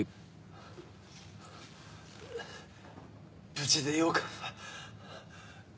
無事でよかった。